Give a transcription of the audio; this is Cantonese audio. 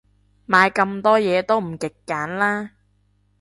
買咁多嘢，都唔極簡啦